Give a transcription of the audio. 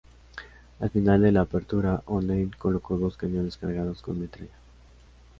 Al final de la apertura, O'Neill colocó dos cañones cargados con metralla.